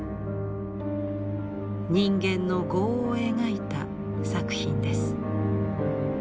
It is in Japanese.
人間の業を描いた作品です。